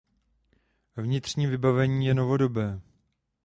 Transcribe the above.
Vnitřní vybavení je novodobé.